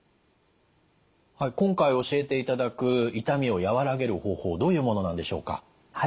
今回教えていただく痛みを和らげる方法どういうものなんでしょうか？